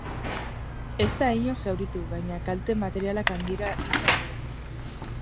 Ez da inor zauritu, baina kalte materialak handira izan dira.